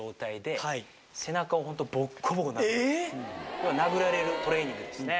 要は殴られるトレーニングですね。